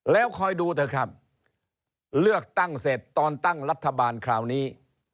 แล้วคอยดูเถอะครับเลือกตั้งเสร็จตอนตั้งรัฐบาลคราวนี้